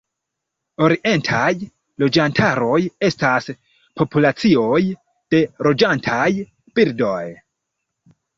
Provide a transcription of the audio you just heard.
Orientaj loĝantaroj estas populacioj de loĝantaj birdoj.